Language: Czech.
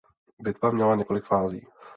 Bitva měla několik fází.